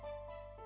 padahal gue seneng